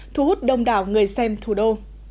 thu hút đông đảo người xem thủ đô